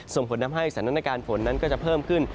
ส่งผลทำให้สถานการณ์ฝนนั้นก็จะเพิ่มขึ้น